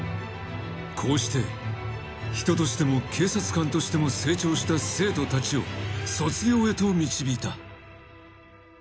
［こうして人としても警察官としても成長した生徒たちを卒業へと導いた］